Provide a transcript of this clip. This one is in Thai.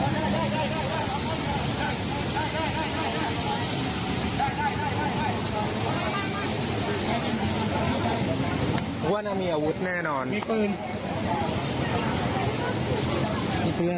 อันนี้เป็นจังหวะเข้าไปชาร์จตัวแล้วนะคะ